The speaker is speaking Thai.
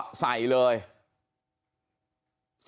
ใส่แบบใส่ไม่หยุดเลยนะฮะ